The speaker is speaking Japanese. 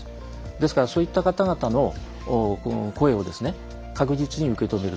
ですからそういった方々の声を確実に受け止めると。